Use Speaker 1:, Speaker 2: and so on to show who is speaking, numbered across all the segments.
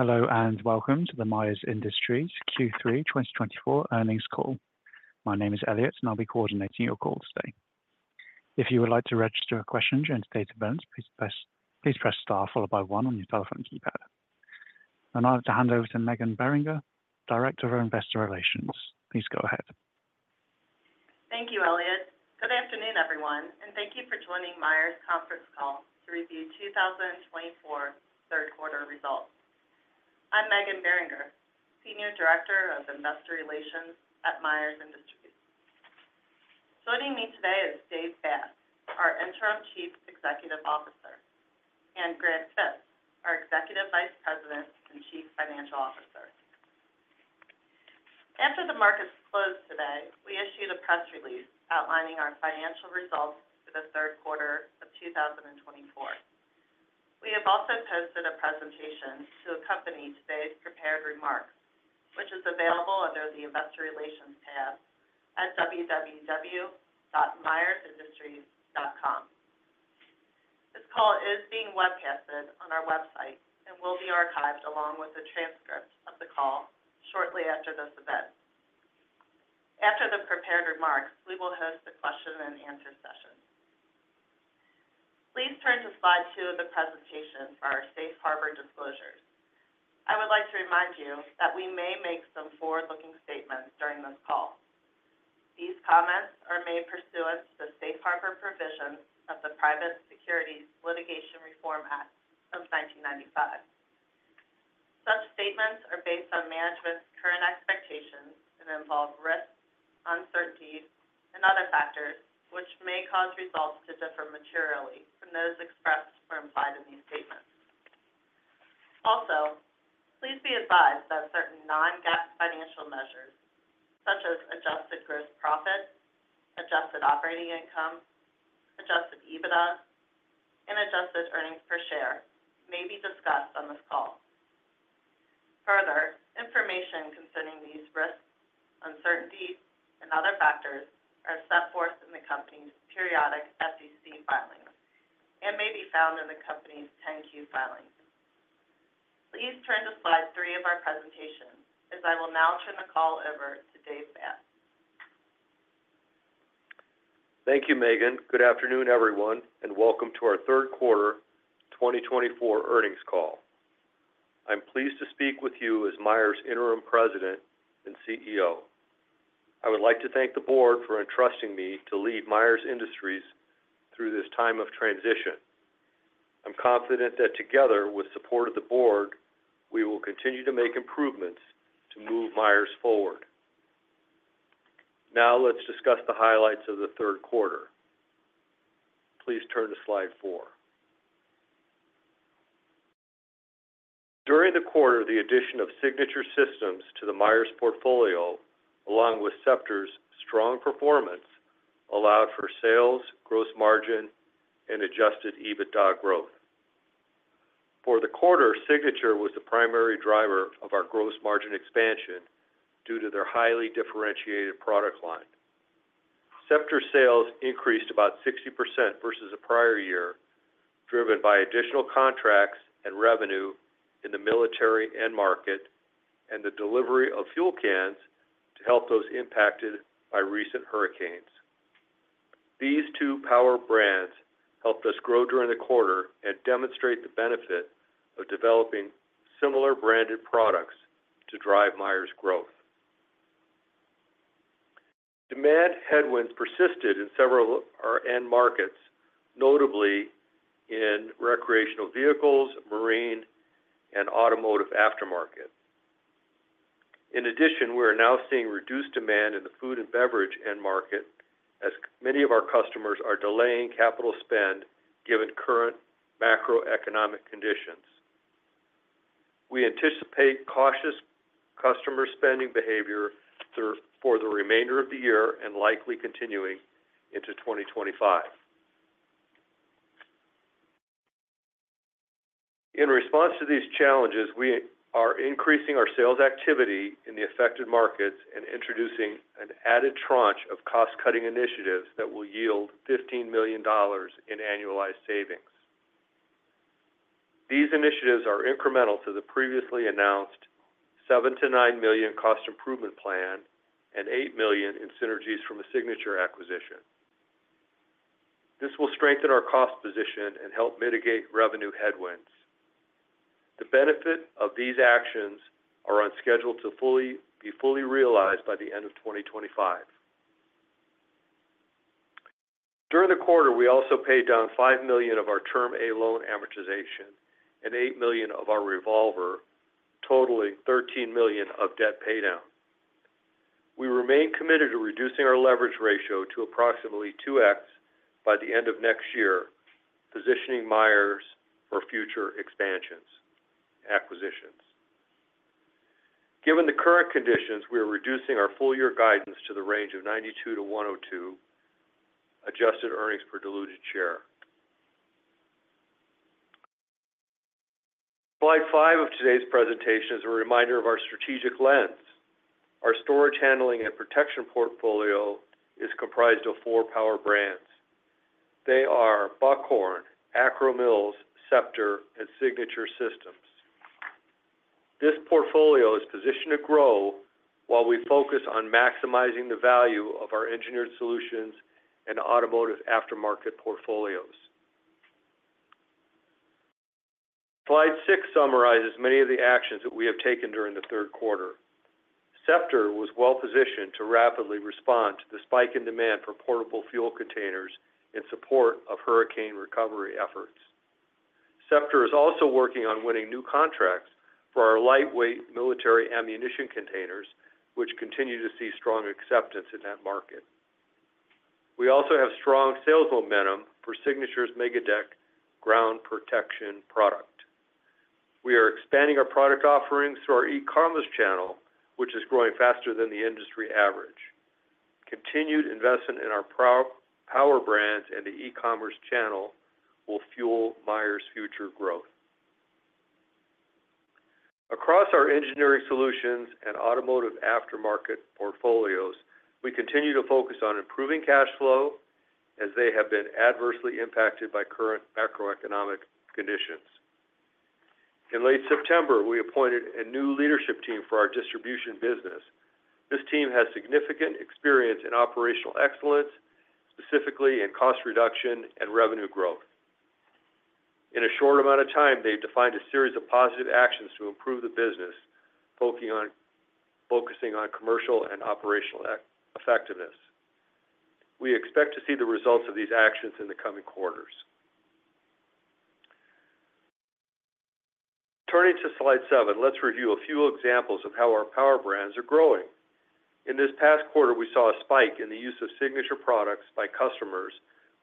Speaker 1: Hello and welcome to the Myers Industries Q3 2024 earnings call. My name is Elliott, and I'll be coordinating your call today. If you would like to register a question during today's event, please press star followed by one on your telephone keypad. And I'll have to hand over to Meghan Beringer, Director of Investor Relations. Please go ahead.
Speaker 2: Thank you, Elliott. Good afternoon, everyone, and thank you for joining Myers' conference call to review 2024 third quarter results. I'm Meghan Beringer, Senior Director of Investor Relations at Myers Industries. Joining me today is Dave Basque, our Interim Chief Executive Officer, and Grant Fitz, our Executive Vice President and Chief Financial Officer. After the markets closed today, we issued a press release outlining our financial results for the third quarter of 2024. We have also posted a presentation to accompany today's prepared remarks, which is available under the Investor Relations tab at www.myersindustries.com. This call is being webcasted on our website and will be archived along with the transcript of the call shortly after this event. After the prepared remarks, we will host a question-and-answer session. Please turn to slide two of the presentation for our Safe Harbor disclosures. I would like to remind you that we may make some forward-looking statements during this call. These comments are made pursuant to the Safe Harbor provisions of the Private Securities Litigation Reform Act of 1995. Such statements are based on management's current expectations and involve risks, uncertainties, and other factors which may cause results to differ materially from those expressed or implied in these statements. Also, please be advised that certain non-GAAP financial measures, such as adjusted gross profit, adjusted operating income, adjusted EBITDA, and adjusted earnings per share, may be discussed on this call. Further, information concerning these risks, uncertainties, and other factors are set forth in the company's periodic SEC filings and may be found in the company's 10-Q filings. Please turn to slide three of our presentation, as I will now turn the call over to Dave Basque.
Speaker 3: Thank you, Meghan. Good afternoon, everyone, and welcome to our third quarter 2024 earnings call. I'm pleased to speak with you as Myers' Interim President and CEO. I would like to thank the board for entrusting me to lead Myers Industries through this time of transition. I'm confident that together, with support of the board, we will continue to make improvements to move Myers forward. Now let's discuss the highlights of the third quarter. Please turn to slide four. During the quarter, the addition of Signature Systems to the Myers portfolio, along with Scepter's strong performance, allowed for sales, gross margin, and adjusted EBITDA growth. For the quarter, Signature was the primary driver of our gross margin expansion due to their highly differentiated product line. Scepter sales increased about 60% versus a prior year, driven by additional contracts and revenue in the military end market, and the delivery of fuel cans to help those impacted by recent hurricanes. These two power brands helped us grow during the quarter and demonstrate the benefit of developing similar branded products to drive Myers' growth. Demand headwinds persisted in several end markets, notably in recreational vehicles, marine, and automotive aftermarket. In addition, we are now seeing reduced demand in the food and beverage end market, as many of our customers are delaying capital spend given current macroeconomic conditions. We anticipate cautious customer spending behavior for the remainder of the year and likely continuing into 2025. In response to these challenges, we are increasing our sales activity in the affected markets and introducing an added tranche of cost-cutting initiatives that will yield $15 million in annualized savings. These initiatives are incremental to the previously announced $7-$9 million cost improvement plan and $8 million in synergies from a Signature acquisition. This will strengthen our cost position and help mitigate revenue headwinds. The benefit of these actions is scheduled to be fully realized by the end of 2025. During the quarter, we also paid down $5 million of our Term Loan A amortization and $8 million of our Revolver, totaling $13 million of debt paydown. We remain committed to reducing our leverage ratio to approximately 2x by the end of next year, positioning Myers for future expansions and acquisitions. Given the current conditions, we are reducing our full-year guidance to the range of $92-$102 adjusted earnings per diluted share. Slide five of today's presentation is a reminder of our strategic lens. Our storage handling and protection portfolio is comprised of four power brands. They are Buckhorn, Akro-Mils, Scepter, and Signature Systems. This portfolio is positioned to grow while we focus on maximizing the value of our engineered solutions and automotive aftermarket portfolios. Slide six summarizes many of the actions that we have taken during the third quarter. Scepter was well positioned to rapidly respond to the spike in demand for portable fuel containers in support of hurricane recovery efforts. Scepter is also working on winning new contracts for our lightweight military ammunition containers, which continue to see strong acceptance in that market. We also have strong sales momentum for Signature's MegaDeck ground protection product. We are expanding our product offerings through our e-commerce channel, which is growing faster than the industry average. Continued investment in our power brands and the e-commerce channel will fuel Myers' future growth. Across our engineering solutions and automotive aftermarket portfolios, we continue to focus on improving cash flow as they have been adversely impacted by current macroeconomic conditions. In late September, we appointed a new leadership team for our distribution business. This team has significant experience in operational excellence, specifically in cost reduction and revenue growth. In a short amount of time, they've defined a series of positive actions to improve the business, focusing on commercial and operational effectiveness. We expect to see the results of these actions in the coming quarters. Turning to slide seven, let's review a few examples of how our power brands are growing. In this past quarter, we saw a spike in the use of Signature products by customers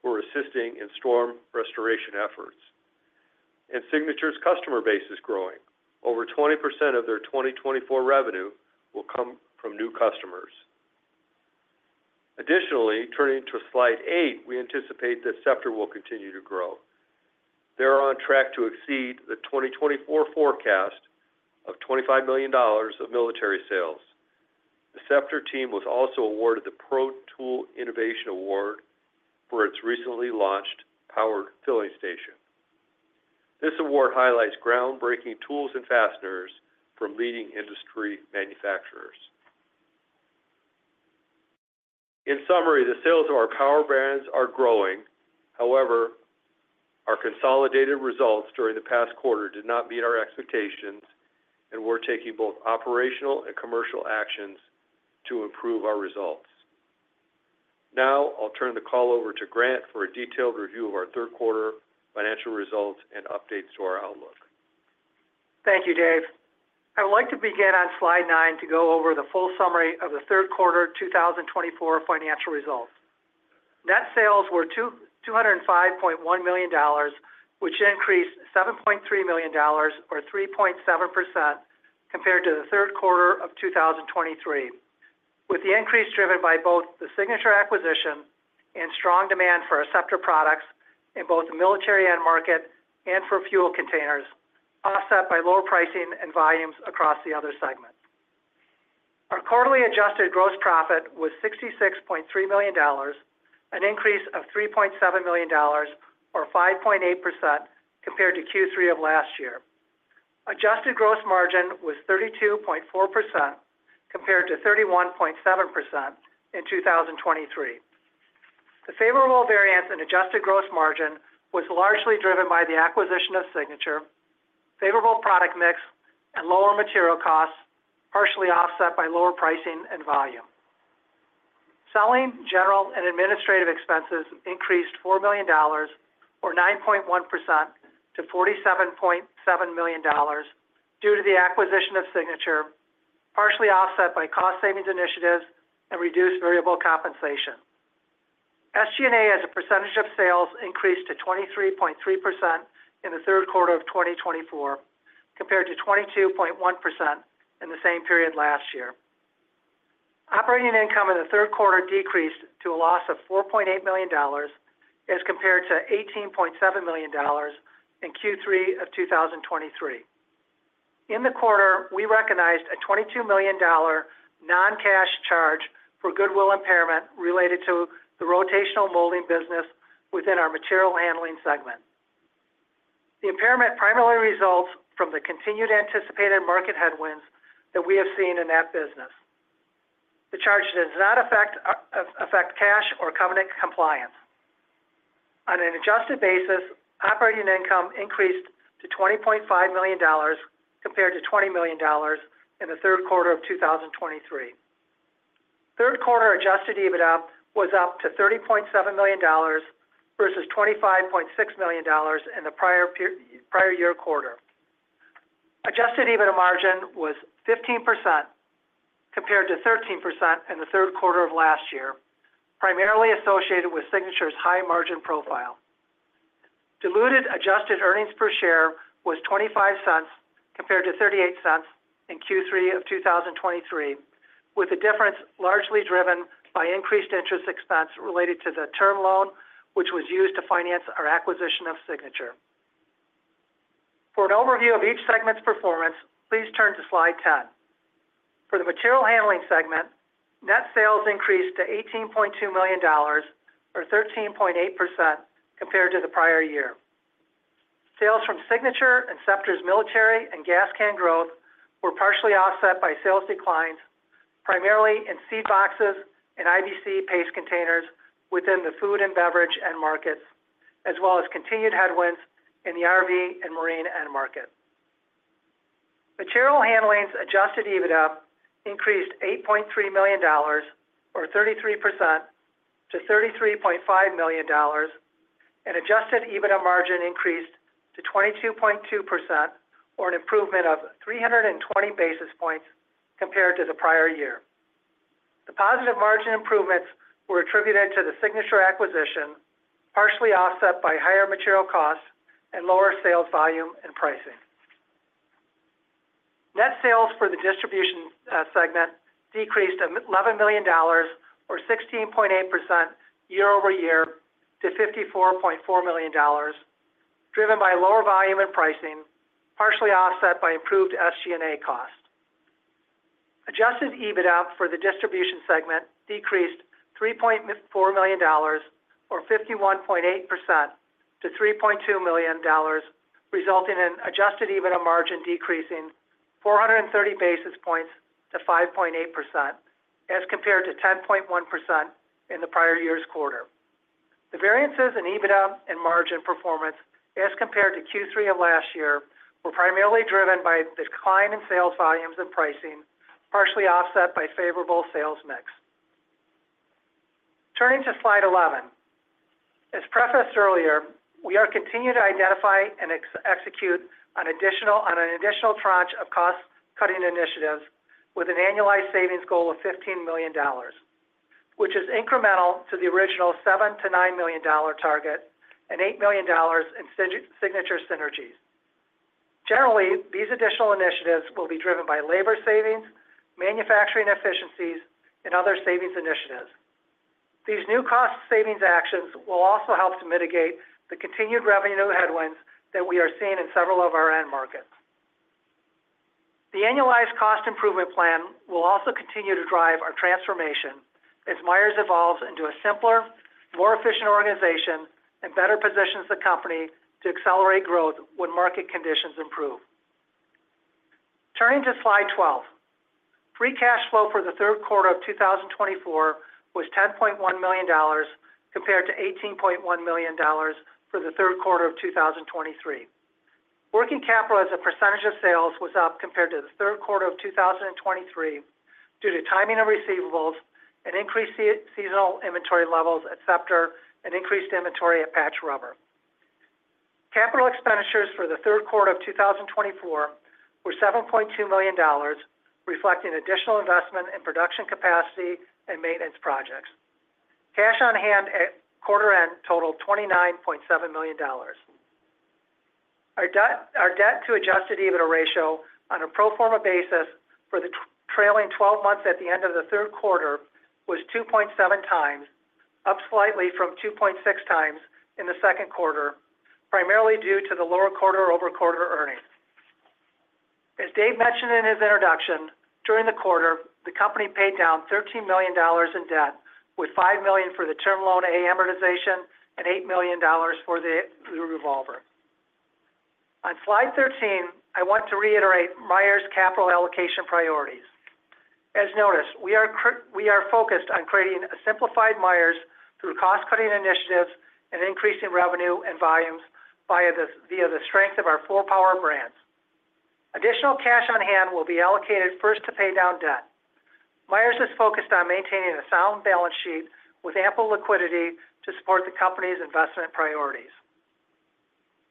Speaker 3: who are assisting in storm restoration efforts. And Signature's customer base is growing. Over 20% of their 2024 revenue will come from new customers. Additionally, turning to slide eight, we anticipate that Scepter will continue to grow. They are on track to exceed the 2024 forecast of $25 million of military sales. The Scepter team was also awarded the Pro Tool Innovation Award for its recently launched power filling station. This award highlights groundbreaking tools and fasteners from leading industry manufacturers. In summary, the sales of our power brands are growing. However, our consolidated results during the past quarter did not meet our expectations, and we're taking both operational and commercial actions to improve our results. Now I'll turn the call over to Grant for a detailed review of our third quarter financial results and updates to our outlook.
Speaker 4: Thank you, Dave. I would like to begin on slide nine to go over the full summary of the third quarter 2024 financial results. Net sales were $205.1 million, which increased $7.3 million or 3.7% compared to the third quarter of 2023, with the increase driven by both the Signature acquisition and strong demand for Scepter products in both the military end market and for fuel containers, offset by lower pricing and volumes across the other segments. Our quarterly adjusted gross profit was $66.3 million, an increase of $3.7 million or 5.8% compared to Q3 of last year. Adjusted gross margin was 32.4% compared to 31.7% in 2023. The favorable variance in adjusted gross margin was largely driven by the acquisition of Signature, favorable product mix, and lower material costs, partially offset by lower pricing and volume. Selling, general, and administrative expenses increased $4 million or 9.1% to $47.7 million due to the acquisition of Signature, partially offset by cost savings initiatives and reduced variable compensation. SG&A, as a percentage of sales, increased to 23.3% in the third quarter of 2024 compared to 22.1% in the same period last year. Operating income in the third quarter decreased to a loss of $4.8 million as compared to $18.7 million in Q3 of 2023. In the quarter, we recognized a $22 million non-cash charge for goodwill impairment related to the rotational molding business within our material handling segment. The impairment primarily results from the continued anticipated market headwinds that we have seen in that business. The charge does not affect cash or covenant compliance. On an adjusted basis, operating income increased to $20.5 million compared to $20 million in the third quarter of 2023. Third quarter adjusted EBITDA was up to $30.7 million versus $25.6 million in the prior year quarter. Adjusted EBITDA margin was 15% compared to 13% in the third quarter of last year, primarily associated with Signature's high margin profile. Diluted adjusted earnings per share was $0.25 compared to $0.38 in Q3 of 2023, with the difference largely driven by increased interest expense related to the term loan, which was used to finance our acquisition of Signature. For an overview of each segment's performance, please turn to slide 10. For the material handling segment, net sales increased to $18.2 million or 13.8% compared to the prior year. Sales from Signature and Scepter's military and gas can growth were partially offset by sales declines, primarily in seed boxes and IBC paste containers within the food and beverage end markets, as well as continued headwinds in the RV and marine end market. Material handling's adjusted EBITDA increased $8.3 million or 33% to $33.5 million, and adjusted EBITDA margin increased to 22.2% or an improvement of 320 basis points compared to the prior year. The positive margin improvements were attributed to the Signature acquisition, partially offset by higher material costs and lower sales volume and pricing. Net sales for the distribution segment decreased $11 million or 16.8% year over year to $54.4 million, driven by lower volume and pricing, partially offset by improved SG&A cost. Adjusted EBITDA for the distribution segment decreased $3.4 million or 51.8% to $3.2 million, resulting in adjusted EBITDA margin decreasing 430 basis points to 5.8% as compared to 10.1% in the prior year's quarter. The variances in EBITDA and margin performance as compared to Q3 of last year were primarily driven by the decline in sales volumes and pricing, partially offset by favorable sales mix. Turning to slide 11. As prefaced earlier, we are continuing to identify and execute on an additional tranche of cost-cutting initiatives with an annualized savings goal of $15 million, which is incremental to the original $7-$9 million target and $8 million in Signature synergies. Generally, these additional initiatives will be driven by labor savings, manufacturing efficiencies, and other savings initiatives. These new cost savings actions will also help to mitigate the continued revenue headwinds that we are seeing in several of our end markets. The annualized cost improvement plan will also continue to drive our transformation as Myers evolves into a simpler, more efficient organization and better positions the company to accelerate growth when market conditions improve. Turning to slide 12. Free cash flow for the third quarter of 2024 was $10.1 million compared to $18.1 million for the third quarter of 2023. Working capital as a percentage of sales was up compared to the third quarter of 2023 due to timing of receivables and increased seasonal inventory levels at Scepter and increased inventory at Patch Rubber. Capital expenditures for the third quarter of 2024 were $7.2 million, reflecting additional investment in production capacity and maintenance projects. Cash on hand at quarter end totaled $29.7 million. Our debt-to-adjusted EBITDA ratio on a pro forma basis for the trailing 12 months at the end of the third quarter was 2.7 times, up slightly from 2.6 times in the second quarter, primarily due to the lower quarter over quarter earnings. As Dave mentioned in his introduction, during the quarter, the company paid down $13 million in debt, with $5 million for the term loan amortization and $8 million for the revolver. On slide 13, I want to reiterate Myers' capital allocation priorities. As noted, we are focused on creating a simplified Myers through cost-cutting initiatives and increasing revenue and volumes via the strength of our four power brands. Additional cash on hand will be allocated first to pay down debt. Myers is focused on maintaining a sound balance sheet with ample liquidity to support the company's investment priorities.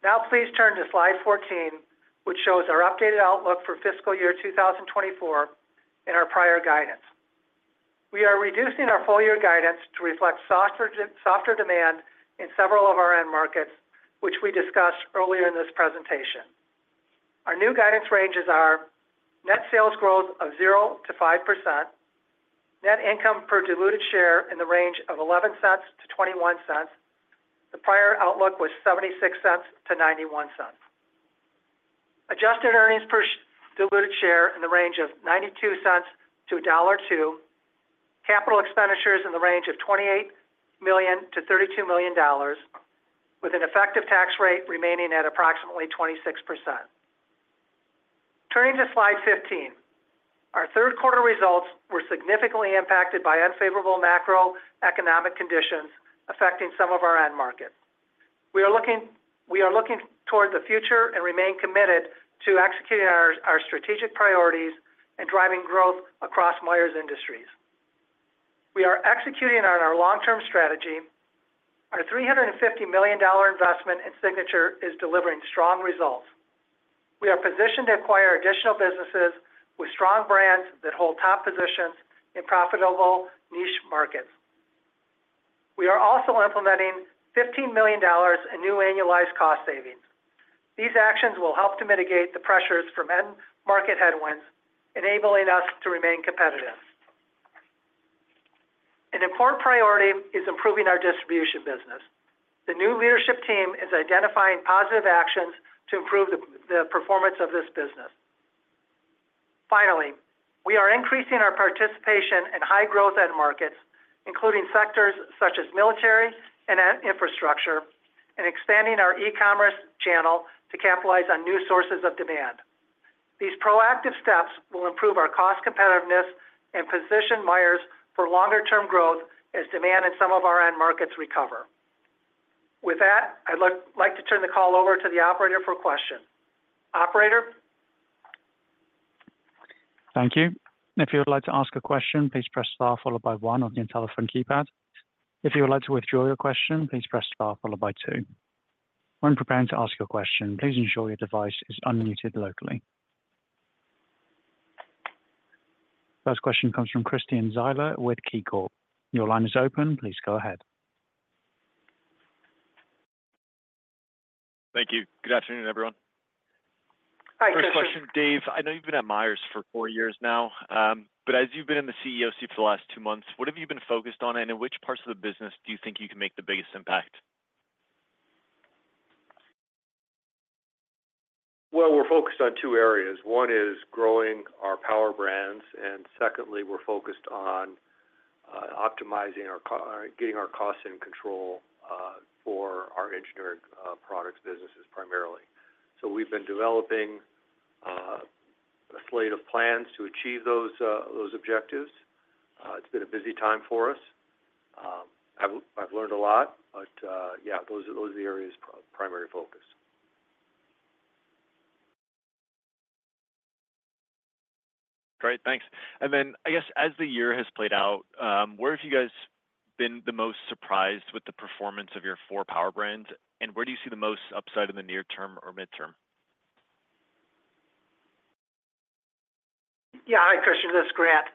Speaker 4: Now, please turn to slide 14, which shows our updated outlook for fiscal year 2024 and our prior guidance. We are reducing our full year guidance to reflect softer demand in several of our end markets, which we discussed earlier in this presentation. Our new guidance ranges are net sales growth of 0%-5%, net income per diluted share in the range of $0.11-$0.21. The prior outlook was $0.76-$0.91. Adjusted earnings per diluted share in the range of $0.92-$1.02. Capital expenditures in the range of $28 million-$32 million, with an effective tax rate remaining at approximately 26%. Turning to slide 15, our third quarter results were significantly impacted by unfavorable macroeconomic conditions affecting some of our end markets. We are looking toward the future and remain committed to executing our strategic priorities and driving growth across Myers Industries. We are executing on our long-term strategy. Our $350 million investment in Signature is delivering strong results. We are positioned to acquire additional businesses with strong brands that hold top positions in profitable niche markets. We are also implementing $15 million in new annualized cost savings. These actions will help to mitigate the pressures from end market headwinds, enabling us to remain competitive. An important priority is improving our distribution business. The new leadership team is identifying positive actions to improve the performance of this business. Finally, we are increasing our participation in high-growth end markets, including sectors such as military and infrastructure, and expanding our e-commerce channel to capitalize on new sources of demand. These proactive steps will improve our cost competitiveness and position Myers for longer-term growth as demand in some of our end markets recover. With that, I'd like to turn the call over to the operator for a question. Operator.
Speaker 1: Thank you. If you would like to ask a question, please press star followed by one on the telephone keypad. If you would like to withdraw your question, please press star followed by two. When preparing to ask your question, please ensure your device is unmuted locally. First question comes from Christian Zywien with KeyCorp. Your line is open. Please go ahead. Thank you. Good afternoon, everyone.
Speaker 3: Hi. First question, Dave. I know you've been at Myers for four years now, but as you've been in the CEO seat for the last two months, what have you been focused on, and in which parts of the business do you think you can make the biggest impact? We're focused on two areas. One is growing our power brands, and secondly, we're focused on optimizing or getting our costs in control for our engineering products businesses primarily. So we've been developing a slate of plans to achieve those objectives. It's been a busy time for us. I've learned a lot, but yeah, those are the areas of primary focus. Great. Thanks. And then, I guess, as the year has played out, where have you guys been the most surprised with the performance of your four power brands, and where do you see the most upside in the near term or midterm?
Speaker 4: Yeah. Hi, Christian. This is Grant.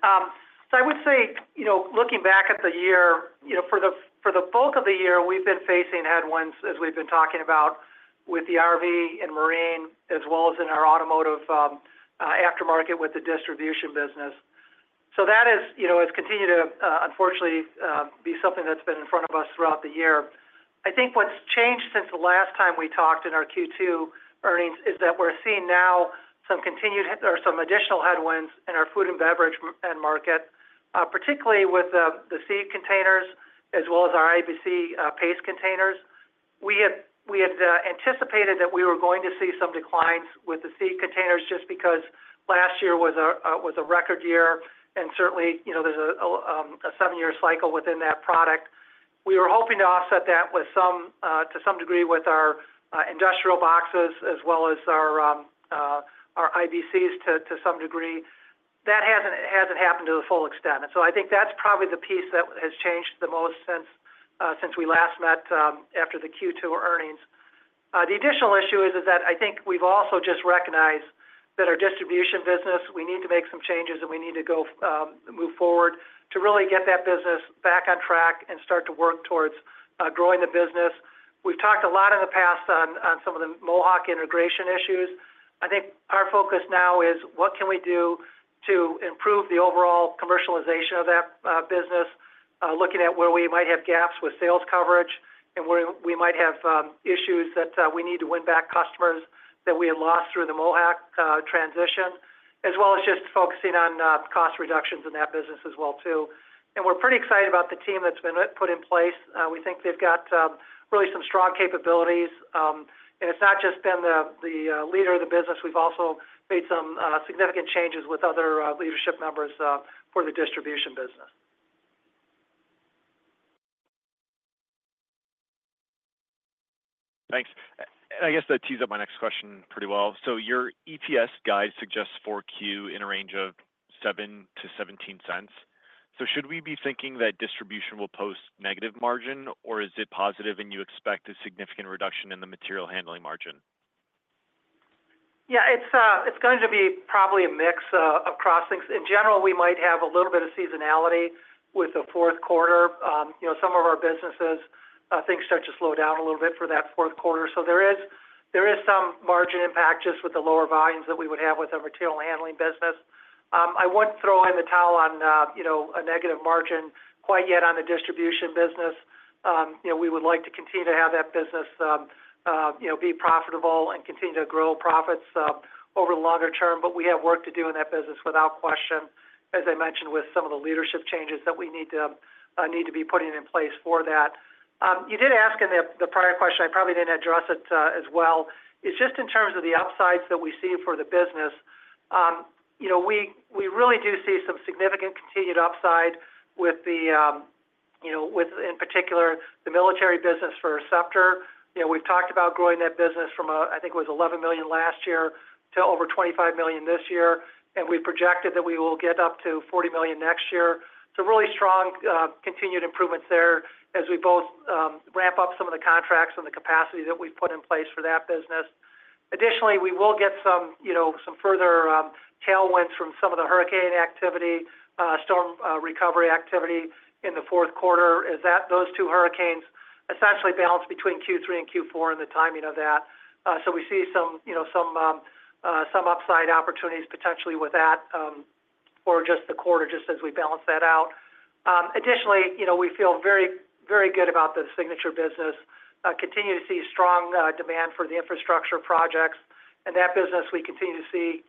Speaker 4: So I would say, looking back at the year, for the bulk of the year, we've been facing headwinds, as we've been talking about, with the RV and marine, as well as in our automotive aftermarket with the distribution business. So that has continued to, unfortunately, be something that's been in front of us throughout the year. I think what's changed since the last time we talked in our Q2 earnings is that we're seeing now some additional headwinds in our food and beverage end market, particularly with the seed containers, as well as our IBC paste containers. We had anticipated that we were going to see some declines with the seed containers just because last year was a record year, and certainly, there's a seven-year cycle within that product. We were hoping to offset that to some degree with our industrial boxes, as well as our IBCs to some degree. That hasn't happened to the full extent, and so I think that's probably the piece that has changed the most since we last met after the Q2 earnings. The additional issue is that I think we've also just recognized that our distribution business. We need to make some changes, and we need to move forward to really get that business back on track and start to work towards growing the business. We've talked a lot in the past on some of the Mohawk integration issues. I think our focus now is, what can we do to improve the overall commercialization of that business, looking at where we might have gaps with sales coverage and where we might have issues that we need to win back customers that we had lost through the Mohawk transition, as well as just focusing on cost reductions in that business as well, too. And we're pretty excited about the team that's been put in place. We think they've got really some strong capabilities, and it's not just been the leader of the business. We've also made some significant changes with other leadership members for the distribution business. Thanks. I guess that tees up my next question pretty well. So your EPS guide suggests 4Q in a range of $0.07-$0.17. So should we be thinking that distribution will post negative margin, or is it positive and you expect a significant reduction in the material handling margin? Yeah. It's going to be probably a mix of crossings. In general, we might have a little bit of seasonality with the fourth quarter. Some of our businesses, things start to slow down a little bit for that fourth quarter. So there is some margin impact just with the lower volumes that we would have with our material handling business. I wouldn't throw in the towel on a negative margin quite yet on the distribution business. We would like to continue to have that business be profitable and continue to grow profits over the longer term, but we have work to do in that business, without question, as I mentioned, with some of the leadership changes that we need to be putting in place for that. You did ask in the prior question. I probably didn't address it as well. It's just in terms of the upsides that we see for the business. We really do see some significant continued upside with, in particular, the military business for Scepter. We've talked about growing that business from, I think it was $11 million last year to over $25 million this year, and we projected that we will get up to $40 million next year. So really strong continued improvements there as we both ramp up some of the contracts and the capacity that we've put in place for that business. Additionally, we will get some further tailwinds from some of the hurricane activity, storm recovery activity in the fourth quarter, as those two hurricanes essentially balance between Q3 and Q4 and the timing of that. So we see some upside opportunities potentially with that for just the quarter, just as we balance that out. Additionally, we feel very good about the signature business. We continue to see strong demand for the infrastructure projects. In that business, we continue to see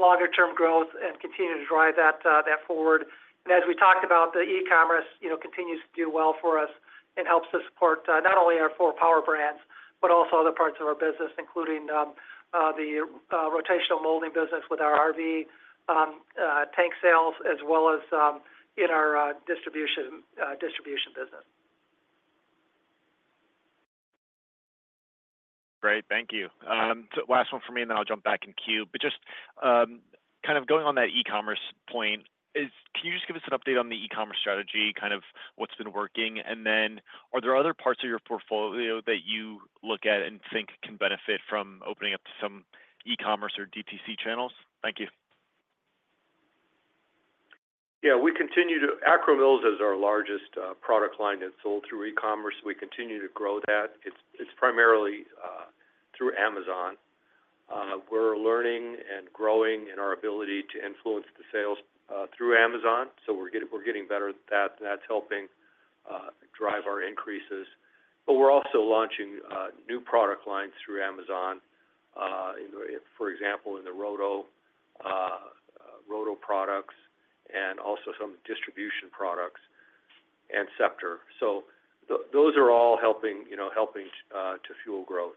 Speaker 4: longer-term growth and continue to drive that forward, and as we talked about, the e-commerce continues to do well for us and helps to support not only our four power brands, but also other parts of our business, including the rotational molding business with our RV tank sales, as well as in our distribution business. Great. Thank you. Last one for me, and then I'll jump back in queue. But just kind of going on that e-commerce point, can you just give us an update on the e-commerce strategy, kind of what's been working? And then are there other parts of your portfolio that you look at and think can benefit from opening up to some e-commerce or DTC channels? Thank you.
Speaker 3: Yeah. Akro-Mils is our largest product line that's sold through e-commerce. We continue to grow that. It's primarily through Amazon. We're learning and growing in our ability to influence the sales through Amazon. So we're getting better at that, and that's helping drive our increases. But we're also launching new product lines through Amazon, for example, in the roto products and also some distribution products and Scepter. So those are all helping to fuel growth.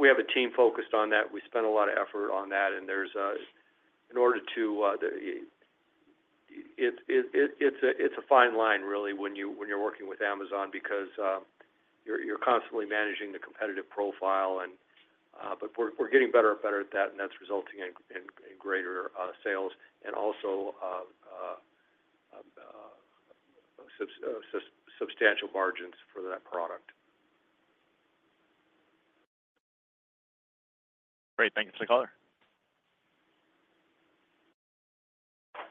Speaker 3: We have a team focused on that. We spend a lot of effort on that. And in order to, it's a fine line, really, when you're working with Amazon because you're constantly managing the competitive profile. But we're getting better and better at that, and that's resulting in greater sales and also substantial margins for that product. Great. Thank you, caller.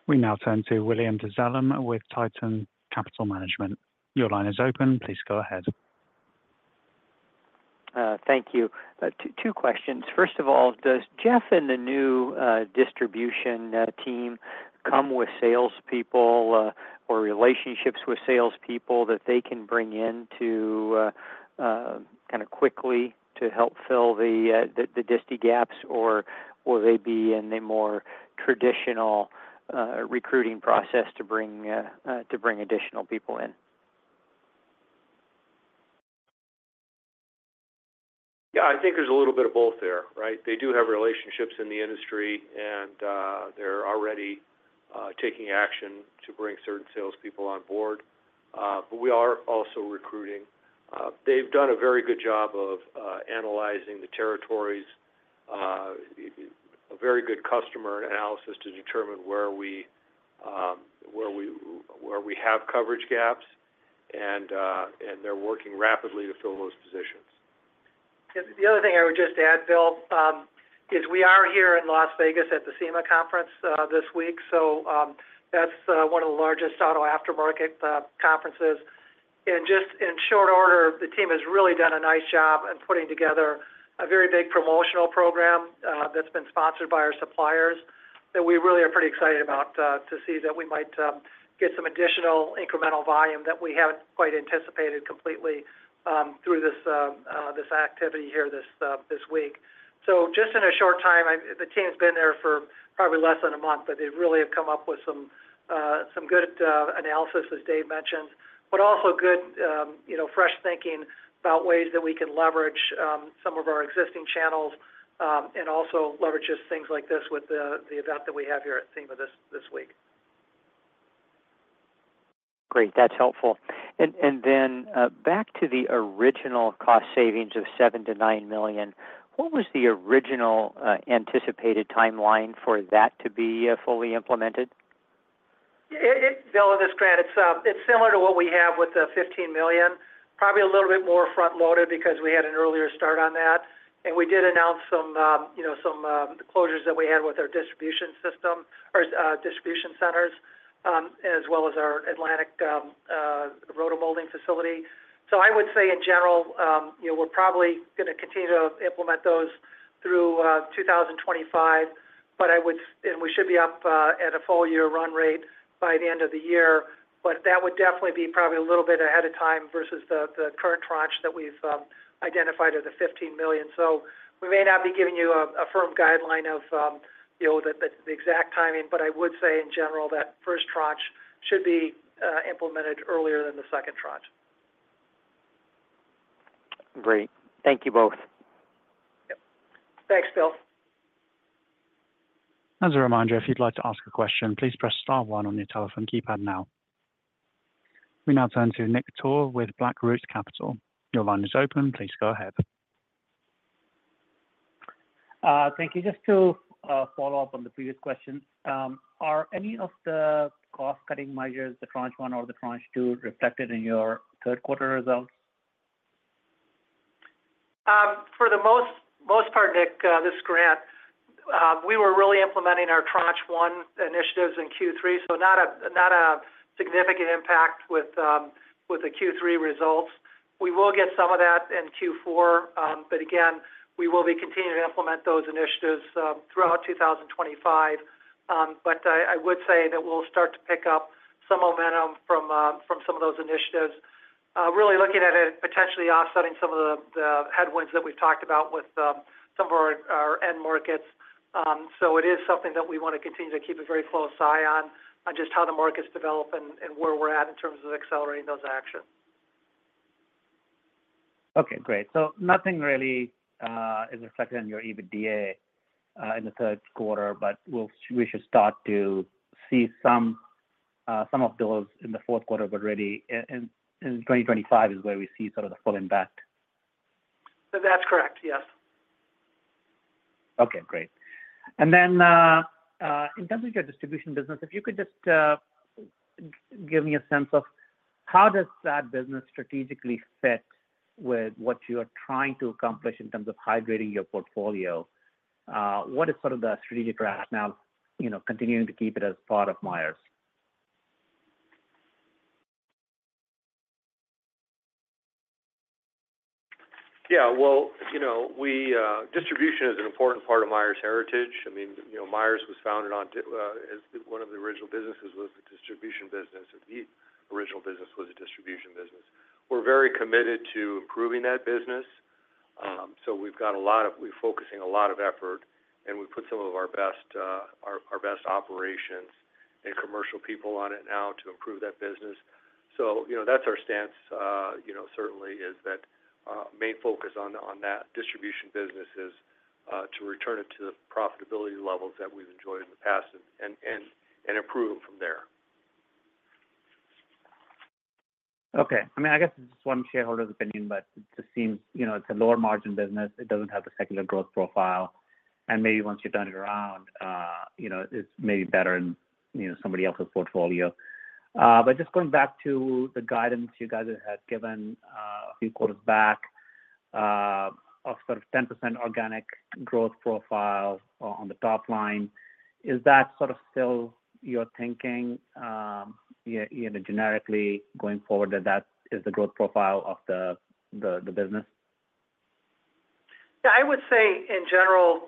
Speaker 1: We now turn to William Dezellem with Tieton Capital Management. Your line is open. Please go ahead.
Speaker 5: Thank you. Two questions. First of all, does Jeff and the new distribution team come with salespeople or relationships with salespeople that they can bring in to kind of quickly to help fill the distant gaps, or will they be in the more traditional recruiting process to bring additional people in?
Speaker 3: Yeah. I think there's a little bit of both there, right? They do have relationships in the industry, and they're already taking action to bring certain salespeople on board. But we are also recruiting. They've done a very good job of analyzing the territories, a very good customer analysis to determine where we have coverage gaps, and they're working rapidly to fill those positions.
Speaker 4: The other thing I would just add, Bill, is we are here in Las Vegas at the SEMA Show this week. So that's one of the largest auto aftermarket conferences. And just in short order, the team has really done a nice job in putting together a very big promotional program that's been sponsored by our suppliers that we really are pretty excited about to see that we might get some additional incremental volume that we haven't quite anticipated completely through this activity here this week. So just in a short time, the team's been there for probably less than a month, but they really have come up with some good analysis, as Dave mentioned, but also good fresh thinking about ways that we can leverage some of our existing channels and also leverage just things like this with the event that we have here at SEMA this week.
Speaker 5: Great. That's helpful. And then back to the original cost savings of $7 million-$9 million, what was the original anticipated timeline for that to be fully implemented?
Speaker 4: Bill, this is Grant. It's similar to what we have with the $15 million, probably a little bit more front-loaded because we had an earlier start on that. We did announce some closures that we had with our distribution centers, as well as our Atlantic rotational molding facility. I would say, in general, we're probably going to continue to implement those through 2025, and we should be up at a full-year run rate by the end of the year. But that would definitely be probably a little bit ahead of time versus the current tranche that we've identified of the $15 million. We may not be giving you a firm guideline of the exact timing, but I would say, in general, that first tranche should be implemented earlier than the second tranche.
Speaker 5: Great. Thank you both.
Speaker 4: Yep. Thanks, Bill.
Speaker 1: As a reminder, if you'd like to ask a question, please press star one on your telephone keypad now. We now turn to Nick Toor with BlackRoot Capital. Your line is open. Please go ahead.
Speaker 6: Thank you. Just to follow up on the previous question, are any of the cost-cutting measures, the tranche one or the tranche two, reflected in your third-quarter results?
Speaker 4: For the most part, Nick, this is Grant. We were really implementing our tranche one initiatives in Q3, so not a significant impact with the Q3 results. We will get some of that in Q4. But again, we will be continuing to implement those initiatives throughout 2025. But I would say that we'll start to pick up some momentum from some of those initiatives, really looking at it potentially offsetting some of the headwinds that we've talked about with some of our end markets. So it is something that we want to continue to keep a very close eye on, just how the markets develop and where we're at in terms of accelerating those actions.
Speaker 6: Okay. Great. So nothing really is reflected in your EBITDA in the third quarter, but we should start to see some of those in the fourth quarter already. And 2025 is where we see sort of the full impact.
Speaker 4: That's correct. Yes.
Speaker 6: Okay. Great. And then in terms of your distribution business, if you could just give me a sense of how does that business strategically fit with what you're trying to accomplish in terms of hydrating your portfolio? What is sort of the strategic rationale of continuing to keep it as part of Myers?
Speaker 3: Yeah. Well, distribution is an important part of Myers' heritage. I mean, Myers was founded on one of the original businesses was the distribution business. The original business was a distribution business. We're very committed to improving that business. So we're focusing a lot of effort, and we put some of our best operations and commercial people on it now to improve that business. So that's our stance, certainly, is that main focus on that distribution business is to return it to the profitability levels that we've enjoyed in the past and improve from there.
Speaker 6: Okay. I mean, I guess it's just one shareholder's opinion, but it just seems it's a lower-margin business. It doesn't have the secular growth profile. And maybe once you turn it around, it's maybe better in somebody else's portfolio. But just going back to the guidance you guys had given a few quarters back of sort of 10% organic growth profile on the top line, is that sort of still your thinking generically going forward that that is the growth profile of the business?
Speaker 4: Yeah. I would say, in general,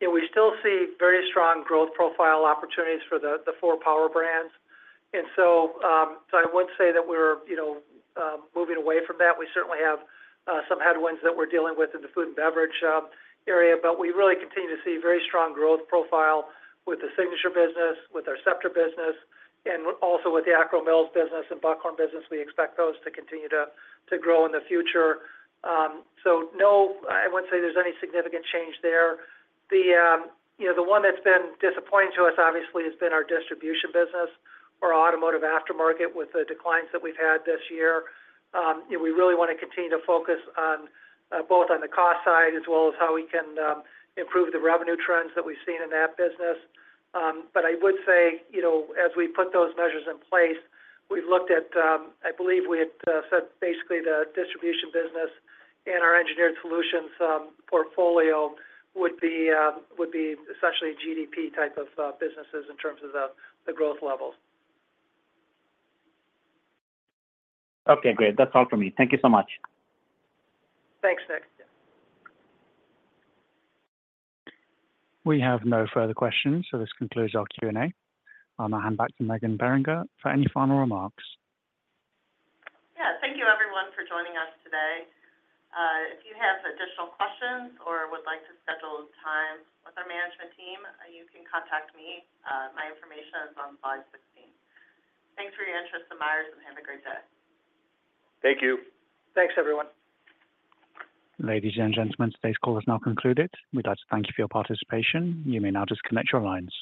Speaker 4: we still see very strong growth profile opportunities for the four power brands. And so I wouldn't say that we're moving away from that. We certainly have some headwinds that we're dealing with in the food and beverage area, but we really continue to see very strong growth profile with the Signature business, with our Scepter business, and also with the Akro-Mils business and Buckhorn business. We expect those to continue to grow in the future. So I wouldn't say there's any significant change there. The one that's been disappointing to us, obviously, has been our distribution business or automotive aftermarket with the declines that we've had this year. We really want to continue to focus both on the cost side as well as how we can improve the revenue trends that we've seen in that business. But I would say, as we put those measures in place, we've looked at. I believe we had said basically the distribution business and our engineered solutions portfolio would be essentially GDP type of businesses in terms of the growth levels.
Speaker 6: Okay. Great. That's all from me. Thank you so much.
Speaker 4: Thanks, Nick.
Speaker 1: We have no further questions, so this concludes our Q&A. I'll now hand back to Meghan Beringer for any final remarks.
Speaker 2: Yeah. Thank you, everyone, for joining us today. If you have additional questions or would like to schedule a time with our management team, you can contact me. My information is on slide 16. Thanks for your interest in Myers, and have a great day.
Speaker 3: Thank you.
Speaker 4: Thanks, everyone.
Speaker 1: Ladies and gentlemen, today's call is now concluded. We'd like to thank you for your participation. You may now disconnect your lines.